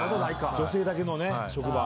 女性だけの職場。